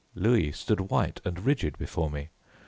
Louis stood white and rigid before me.